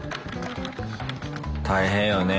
大変よね。